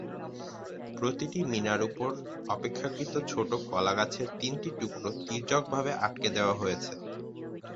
প্রতিটি মিনারের ওপর অপেক্ষাকৃত ছোট কলাগাছের তিনটি টুকরো তির্যকভাবে আটকে দেওয়া হয়েছে।